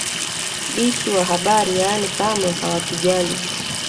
dishi wa habari yaani kamwe hawatujali